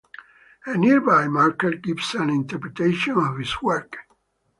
A nearby marker gives an interpretation of his work.